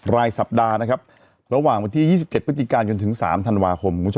รายสัปดาห์นะครับระหว่างวันที่๒๗พฤศจิกาจนถึง๓ธันวาคม